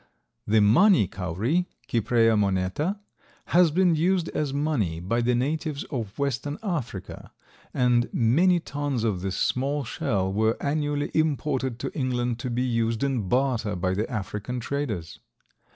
The money cowry (Cypraea moneta) has been used as money by the natives of Western Africa, and many tons of this small shell were annually imported to England to be used in barter by the African traders.